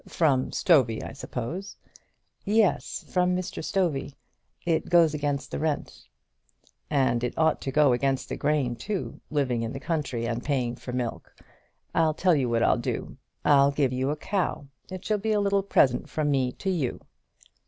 "From Stovey, I suppose." "Yes; from Mr. Stovey. It goes against the rent." "And it ought to go against the grain too, living in the country and paying for milk! I'll tell you what I'll do. I'll give you a cow. It shall be a little present from me to you."